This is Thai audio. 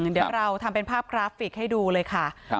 เดี๋ยวเราทำเป็นภาพกราฟิกให้ดูเลยค่ะ